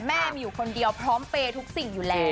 แม่มีอยู่คนเดียวพร้อมเปย์ทุกสิ่งอยู่แล้ว